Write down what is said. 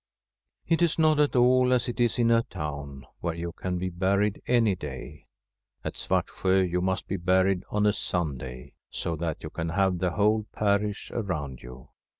It is not at all as it is in a town, where you can be buried any day. At Svartsjo you must be buried on a Sunday, so that you can have the whole parish around you.